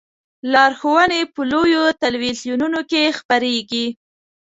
لارښوونې په لویو تلویزیونونو کې خپریږي.